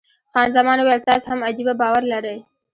خان زمان وویل، تاسې هم عجبه باور لرئ.